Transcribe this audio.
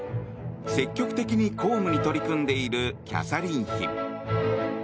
積極的に公務に取り組んでいるキャサリン妃。